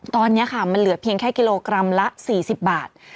ตอนนี้ค่ะมันเหลือเพียงแค่กิโลกรัมละ๔๐บาท